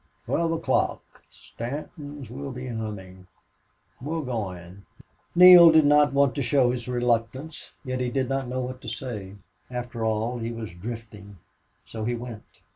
"Twelve o'clock! Stanton's will be humming. We'll go in." Neale did not want to show his reluctance, yet he did hot know just what to say. After all, he was drifting. So he went.